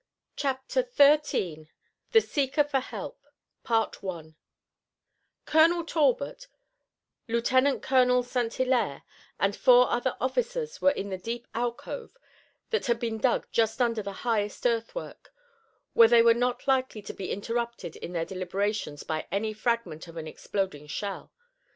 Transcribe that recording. CHAPTER XIII THE SEEKER FOR HELP Colonel Talbot, Lieutenant Colonel St. Hilaire and four other officers were in a deep alcove that had been dug just under the highest earthwork, where they were not likely to be interrupted in their deliberations by any fragment of an exploding shell.